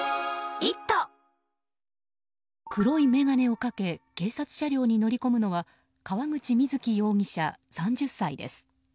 黒い眼鏡をかけ警察車両に乗り込むのは川口瑞貴容疑者、３０歳です。